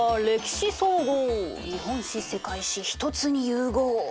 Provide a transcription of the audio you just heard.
歴史総合日本史世界史一つに融合。